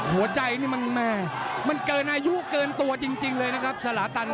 หัวใจนี่มันแม่มันเกินอายุเกินตัวจริงเลยนะครับสลาตัน